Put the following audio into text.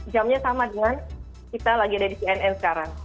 jamnya sama dengan kita lagi ada di cnn sekarang